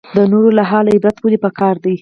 د نورو له حاله عبرت ولې پکار دی؟